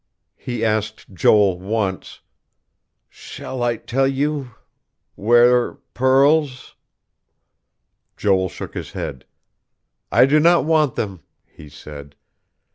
He asked Joel, once: "Shall I tell you where pearls..." Joel shook his head. "I do not want them," he said.